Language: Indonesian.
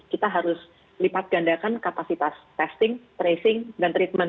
kita harus lipat gandakan kapasitas testing tracing dan treatment